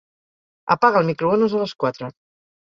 Apaga el microones a les quatre.